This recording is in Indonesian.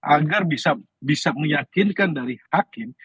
agar bisa meyakinkan dari hakim